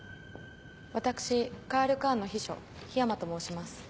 私カール・カーンの秘書緋山と申します。